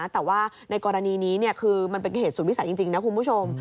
แต่ว่าในกรณีนี้คือมันเป็นเหตุศูนย์วิสัยจริงนะคุณผู้ชม